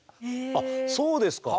あっそうですか。